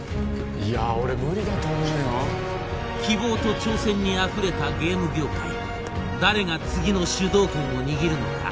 いやあ俺無理だと思うよ希望と挑戦にあふれたゲーム業界誰が次の主導権を握るのか